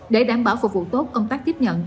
để đảm bảo phục vụ tốt công tác tiếp nhận